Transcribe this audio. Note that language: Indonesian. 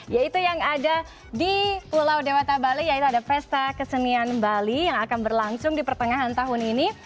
yaitu yang ada di pulau dewata bali yaitu ada pesta kesenian bali yang akan berlangsung di pertengahan tahun ini